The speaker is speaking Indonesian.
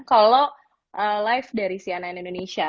kalau live dari cnn indonesia